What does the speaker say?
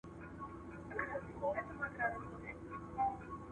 بیا پر خیالي کوثر جامونه ښيي !.